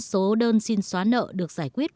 số đơn xin xóa nợ được giải quyết